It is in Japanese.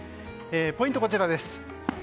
ポイントはこちらです。